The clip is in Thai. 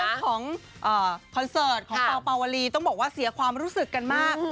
ของคอนเสิร์ตของเปล่าปาวลีต้องบอกว่าเสียความรู้สึกกันมาก